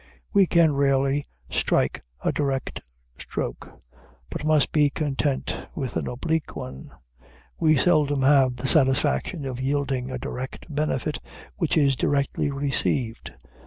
We can rarely strike a direct stroke, but must be content with an oblique one; we seldom have the satisfaction of yielding a direct benefit, which is directly received.